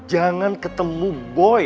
jangan ketemu boy